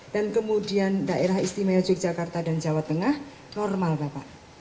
dan kemudian daerah istimewa yogyakarta dan jawa tengah normal bapak